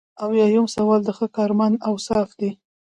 اویایم سوال د ښه کارمند اوصاف دي.